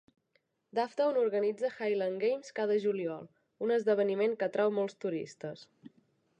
Dufftown organitza "highland games" cada juliol, un esdeveniment que atrau molts turistes.